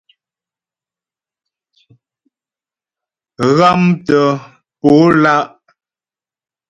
Ghámtə̀ po lá'.